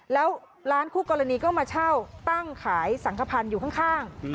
แล้วร้านคู่กรณีก็มาเช่าตั้งขายสังขพันธ์อยู่ข้าง